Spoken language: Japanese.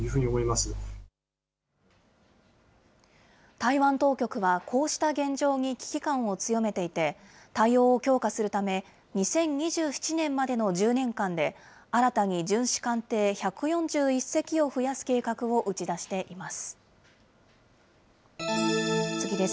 台湾当局は、こうした現状に危機感を強めていて、対応を強化するため、２０２７年までの１０年間で、新たに巡視艦艇１４１隻を増やす計画を打ち出しています。